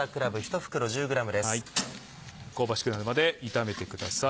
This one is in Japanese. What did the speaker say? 香ばしくなるまで炒めてください。